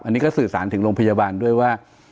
อันนี้ก็สื่อสารถึงโรงพยาบาลด้วยว่า